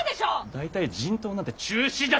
大体人痘なんて中止じゃ！